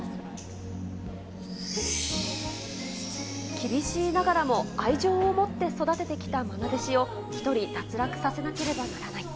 厳しいながらも愛情を持って育ててきたまな弟子を、１人脱落させなければならない。